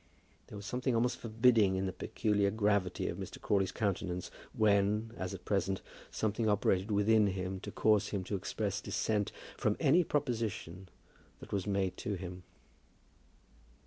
There was something almost forbidding in the peculiar gravity of Mr. Crawley's countenance when, as at present, something operated within him to cause him to express dissent from any proposition that was made to him.